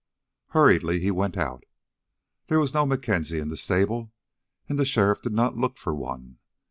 Hurriedly he went out. There was no MacKenzie in the stable, and the sheriff did not look for one.